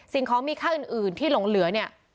สิ่งของมีค่าอื่นที่หลงเหลือเนี่ย